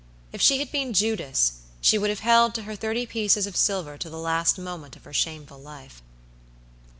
If she had been Judas, she would have held to her thirty pieces of silver to the last moment of her shameful life.